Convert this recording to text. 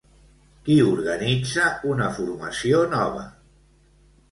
Qui organitza una formació nova?